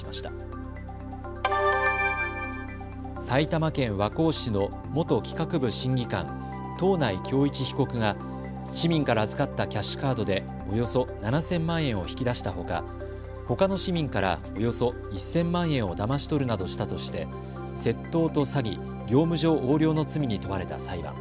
埼玉県和光市の元企画部審議官、東内京一被告が市民から預かったキャッシュカードでおよそ７０００万円を引き出したほかほかの市民から、およそ１０００万円をだまし取るなどしたとして窃盗と詐欺、業務上横領の罪に問われた裁判。